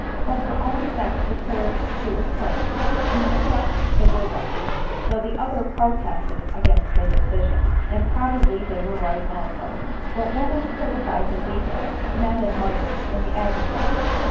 But her own sex declared she was plain — and perhaps they were right— though die other protested against the decision — and probably they were right also ; but women criticise in detail, men admire in the aggregate.